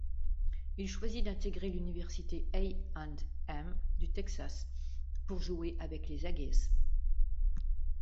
Il choisit d'intégrer l'université A&M du Texas, pour jouer avec les Aggies.